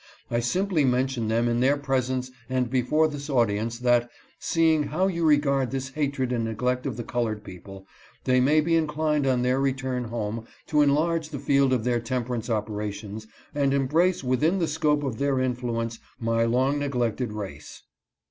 I simply mention them in their presence and before this audience that, seeing how you regard this hatred and neglect of the colored people, they may be inclined on their return home to enlarge the field of their temperance operations and embrace within the scope of their influence my long neglected race.